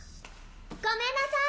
ごめんなさい。